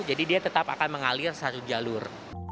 jadi dia tetap akan mengalir satu jalur